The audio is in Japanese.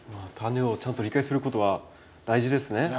タネをちゃんと理解することは大事ですね。